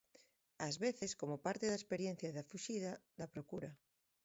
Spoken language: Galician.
Ás veces, como parte da experiencia da fuxida, da procura.